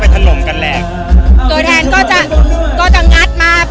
ตัวแทนก็จะงัดมา